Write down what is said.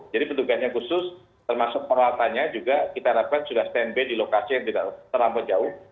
jadi pendugaannya khusus termasuk peralatannya juga kita harapkan sudah stand by di lokasi yang tidak terlalu jauh